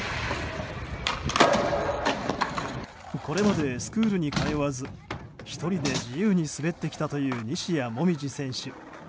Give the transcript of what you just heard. これまでスクールに通わず１人で自由に滑ってきたという西矢椛選手。